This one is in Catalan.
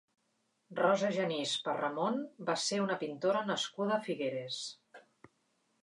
Rosa Genís Perramon va ser una pintora nascuda a Figueres.